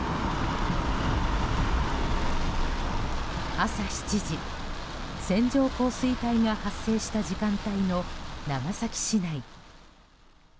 朝７時、線状降水帯が発生した時間帯の長崎市内。